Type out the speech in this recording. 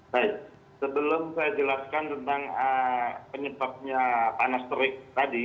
baik sebelum saya jelaskan tentang penyebabnya panas terik tadi